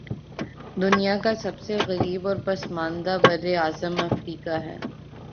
دنیا کا سب سے غریب اور پسماندہ براعظم افریقہ ہے